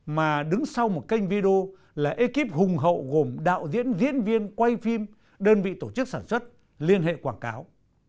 mà đứng sau một kênh video là ekip hùng hậu gồm đạo diễn diễn viên quay phim đơn vị tổ chức sản xuất liên hệ quảng cáo